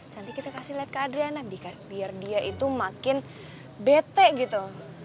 nanti kita kasih lihat ke adriana biar dia itu makin bete gitu